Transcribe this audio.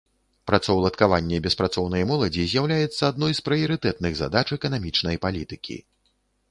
Працаўладкаванне беспрацоўнай моладзі з'яўляецца адной з прыярытэтных задач эканамічнай палітыкі.